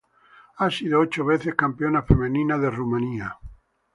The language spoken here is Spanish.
Ha sido ocho veces Campeona femenina de Rumanía.